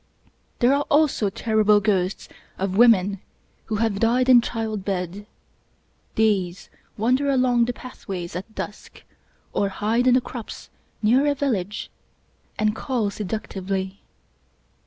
There are also terrible ghosts of women who have died in child bed. These wander along the pathways at dusk, or hide in the crops near a village, and call seductively.